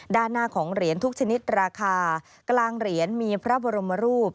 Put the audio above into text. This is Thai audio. ด้านหน้าของเหรียญทุกชนิดราคากลางเหรียญมีพระบรมรูป